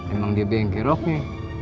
emang dia biang keroknya